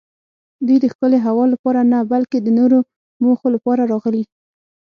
دوی د ښکلې هوا لپاره نه بلکې د نورو موخو لپاره راغلي.